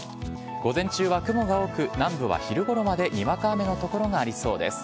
午前中は雲が多く、南部は昼ごろまでにわか雨の所がありそうです。